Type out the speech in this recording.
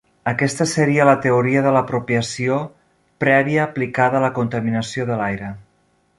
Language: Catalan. Aquesta seria la teoria de l'apropiació prèvia aplicada a la contaminació de l'aire.